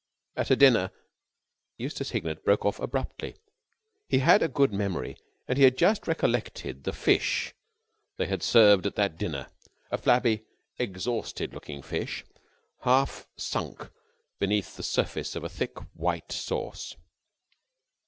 "At a dinner...." Eustace Hignett broke off abruptly. He had a good memory and he had just recollected the fish they had served at that dinner a flabby and exhausted looking fish, half sunk beneath the surface of a thick white sauce.